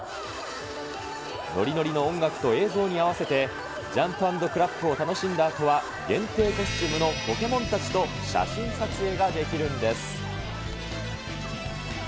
ノリノリの音楽と映像に合わせて、ジャンプ＆クラップを楽しんだあとは、限定コスチュームのポケモンたちと写真撮影ができるんです。